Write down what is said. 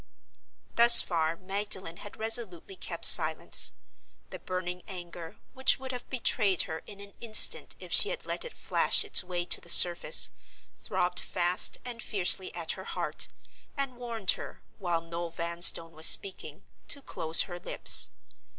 Thus far Magdalen had resolutely kept silence. The burning anger, which would have betrayed her in an instant if she had let it flash its way to the surface, throbbed fast and fiercely at her heart, and warned her, while Noel Vanstone was speaking, to close her lips.